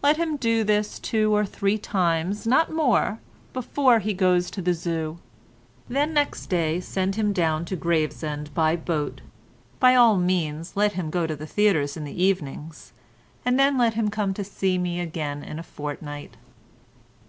Let him do this two or three times, not more, before he goes to the Zoo. "Then next day send him down to Gravesend by boat. By all means let him go to the theatres in the evenings—and then let him come to me again in a fortnight."